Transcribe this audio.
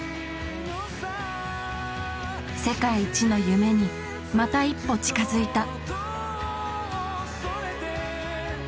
世界一の夢にまた一歩近づいた。